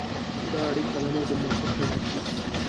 دا اړیکه د نظم بنسټ ګڼل کېږي.